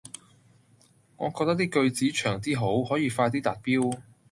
我覺得啲句子長啲好，可以快啲達標